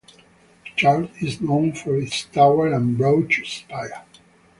The church is known for its tower and broach spire.